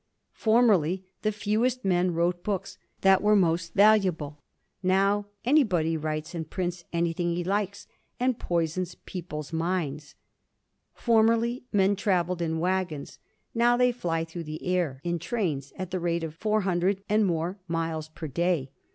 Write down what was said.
Formerly, the fewest men wrote books, that were most valuable. Now, anybody writes and prints anything he likes and poisons people's minds. Formerly, men travelled in waggons; now they fly through the air, in trains at the rate of four hundred and more miles per day.